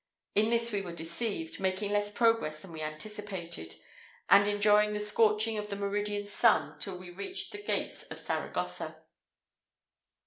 In this we were deceived, making less progress than we anticipated, and enjoying the scorching of a meridian sun till we reached the gates of Saragossa.